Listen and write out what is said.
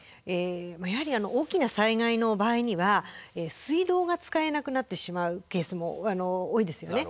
やはり大きな災害の場合には水道が使えなくなってしまうケースも多いですよね？